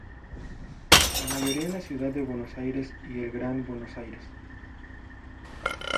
La mayoría en la Ciudad de Buenos Aires y el Gran Buenos Aires.